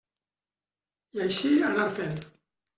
I així anar fent.